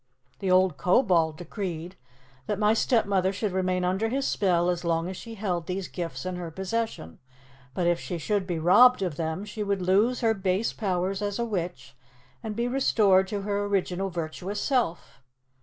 The old Kobold decreed that my stepmother should remain under his spell as long as she held these gifts in her possession; but if she should be robbed of them, she would lose her base powers as a witch and be restored to her original virtuous self."